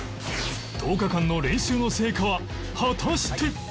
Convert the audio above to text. １０日間の練習の成果は果たして！？